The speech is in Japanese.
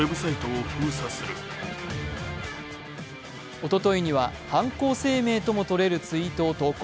おとといには犯行声明ともとれるツイートを投稿。